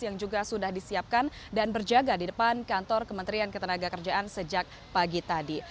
yang juga sudah disiapkan dan berjaga di depan kantor kementerian ketenaga kerjaan sejak pagi tadi